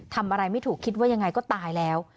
ทำอะไรไม่ถูกคิดว่ายังไงก็ตายแล้ว